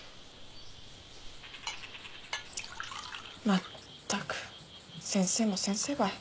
まったく先生も先生ばい。